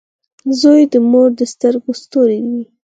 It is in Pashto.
• زوی د مور د سترګو ستوری وي.